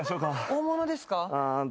大物ですか？